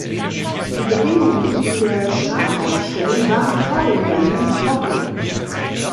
Die Bedingungen in der Startaufstellung waren vor dem Rennen trocken.